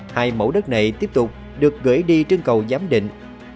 hai mẫu đất này tiếp tục được gửi đi trên cầu giám định